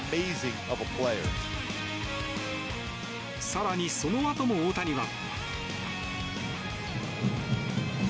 更に、そのあとも大谷は。